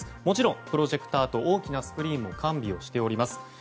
もちろんプロジェクターと大きなスクリーンも完備しています。